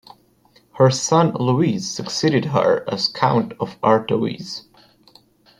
Her son Louis succeeded her as Count of Artois.